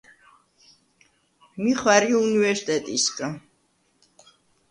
მი ხვა̈რი უნივერსტეტისგა.